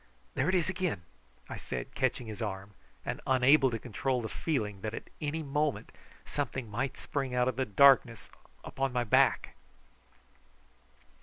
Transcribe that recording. "There it is again!" I said, catching his arm, and unable to control the feeling that at any moment something might spring out of the darkness upon my back.